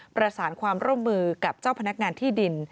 ประสานความร่วมมือกับเจ้าพนักงานที่ดิน